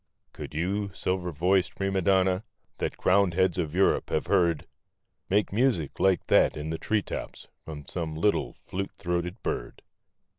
Could you, silver voiced Prima Donna, that crowned heads of Europe have heard. Make music like that in the tree tops from some little, flute throated bird?